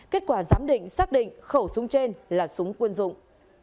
kết quả giám định xác định khẩu súng trên là súng quân dụng